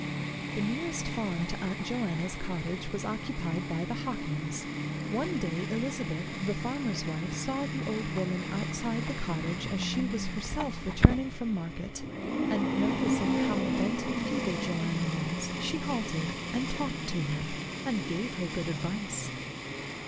The nearest farm to Aunt Joanna's cottage was occupied by the Hockins. One day Elizabeth, the farmer's wife, saw the old woman outside the cottage as she was herself returning from market; and, noticing how bent and feeble Joanna was, she halted, and talked to her, and gave her good advice.